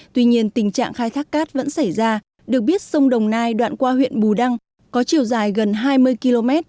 tuy nhiên tình trạng khai thác cát vẫn xảy ra được biết sông đồng nai đoạn qua huyện bù đăng có chiều dài gần hai mươi km